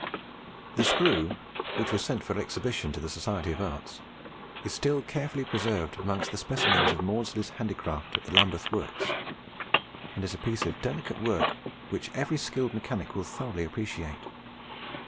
The screw, which was sent for exhibition to the Society of Arts, is still carefully preserved amongst the specimens of Maudslay's handicraft at the Lambeth Works, and is a piece of delicate work which every skilled mechanic will thoroughly appreciate.